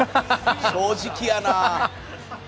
正直やなあ。